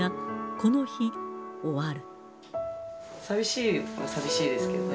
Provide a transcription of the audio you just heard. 寂しいは寂しいですけどね。